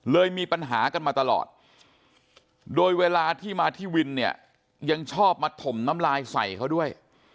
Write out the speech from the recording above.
มีปัญหากันมาตลอดโดยเวลาที่มาที่วินเนี่ยยังชอบมาถมน้ำลายใส่เขาด้วย